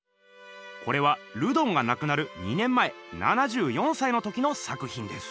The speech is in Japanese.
これはルドンがなくなる２年前７４歳の時の作ひんです。